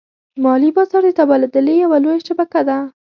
مالي بازار د تبادلې یوه لویه شبکه ده.